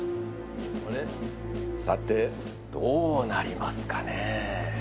さて、どうなりますかね。